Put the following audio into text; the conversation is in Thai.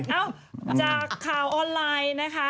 จากข่าวออนไลน์นะคะ